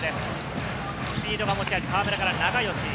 スピードが持ち味、河村から永吉。